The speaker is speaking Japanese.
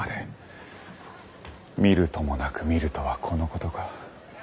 見るともなく見るとはこのことか。